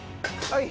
はい。